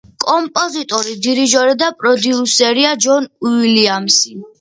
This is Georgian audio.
კომპოზიტორი, დირიჟორი და პროდიუსერია ჯონ უილიამსი.